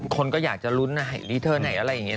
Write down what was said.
คนก็อยากลุ้นให้กรีเทิร์นให้อะไรอย่างนี้